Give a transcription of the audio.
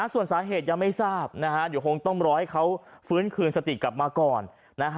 ส่วนสาเหตุยังไม่ทราบเดี๋ยวคงต้องรอให้เขาฟื้นคืนสติกลับมาก่อน